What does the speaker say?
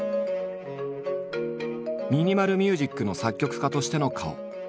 ミニマル・ミュージックの作曲家としての顔。